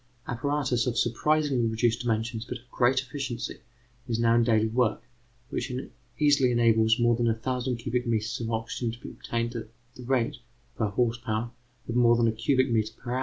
Apparatus, of surprisingly reduced dimensions but of great efficiency, is now in daily work, which easily enables more than a thousand cubic metres of oxygen to be obtained at the rate, per horse power, of more than a cubic metre per hour.